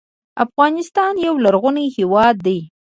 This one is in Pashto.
افغانستان یو لرغونی هېواد دی